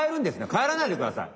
かえらないでください！